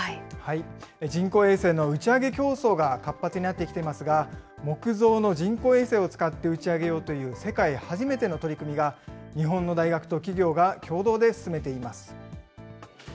人工衛星の打ち上げ競争が活発になってきていますが、木造の人工衛星を使って打ち上げようという世界で初めての取り組みが、日本の大学と企業が共同で進めています。